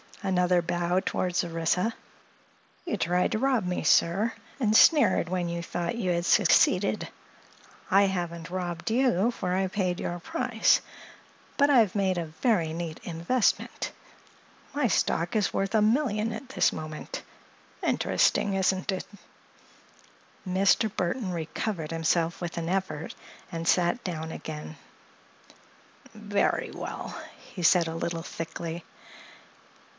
Another bow toward Orissa. "You tried to rob me, sir, and sneered when you thought you had succeeded. I haven't robbed you, for I paid your price; but I've made a very neat investment. My stock is worth a million at this moment. Interesting, isn't it?" Mr. Burthon recovered himself with an effort and sat down again. "Very well," he said a little thickly.